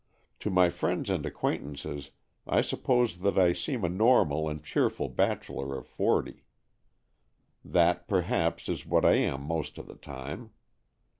To my friends and acquaintances I suppose that I seem a normal and cheerful bachelor of forty. That, per haps, is what I am most of the time.